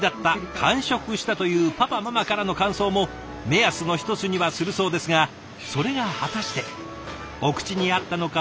「完食した！」というパパママからの感想も目安の１つにはするそうですがそれが果たしてお口に合ったのか？